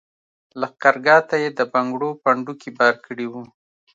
لښګرګاه ته یې د بنګړو پنډوکي بار کړي وو.